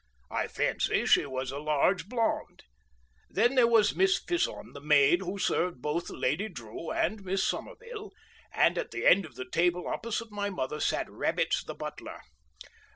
I fancy she was a large blonde. Then there was Miss Fison, the maid who served both Lady Drew and Miss Somerville, and at the end of the table opposite my mother, sat Rabbits the butler.